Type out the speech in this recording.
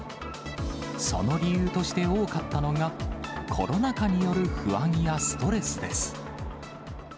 その理由として多かったのが、コロナ禍による不安やストレスです。